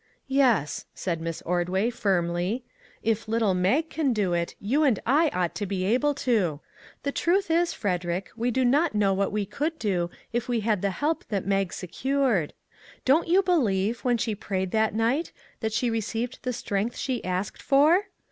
" Yes," said Miss Ordway, firmly, " if little Mag can do it, you and I ought to be able to. The truth is, Frederick, we do not know what we could do if we had the help that Mag se cured. Don't you believe, when she prayed that night, that she received the strength she asked for?